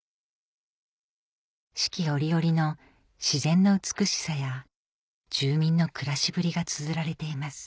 四季折々の自然の美しさや住民の暮らしぶりがつづられています